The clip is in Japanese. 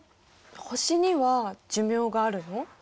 星には寿命があるの？